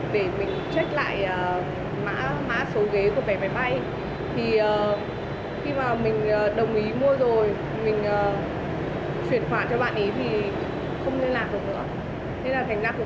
xin quý khách vui lòng gọi lại sau